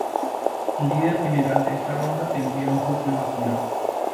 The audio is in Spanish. El líder general de esta ronda tendría un cupo en la final.